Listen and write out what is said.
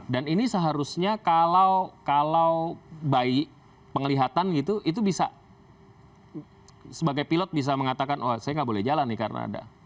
dan ini seharusnya kalau baik pengelihatan gitu itu bisa sebagai pilot bisa mengatakan oh saya nggak boleh jalan nih karena ada